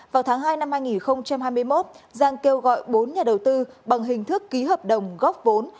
vào tháng hai năm hai nghìn hai mươi một giang kêu gọi bốn nhà đầu tư bằng hình thức ký hợp đồng góp vốn